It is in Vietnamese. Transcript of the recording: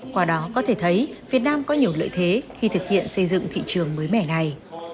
qua đó có thể thấy việt nam có nhiều lợi thế khi thực hiện xây dựng thị trường mới mẻ này